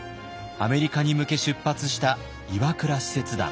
アメリカに向け出発した岩倉使節団。